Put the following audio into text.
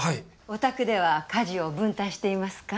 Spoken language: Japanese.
お宅では家事を分担していますか？